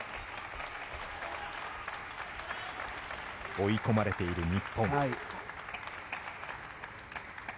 追い込まれている日本。